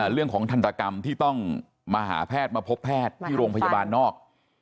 ทันตกรรมที่ต้องมาหาแพทย์มาพบแพทย์ที่โรงพยาบาลนอก